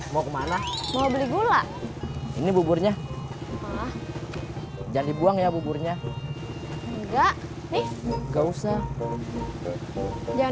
mau kemana mau beli gula ini buburnya jadi buang ya buburnya enggak nih nggak usah jangan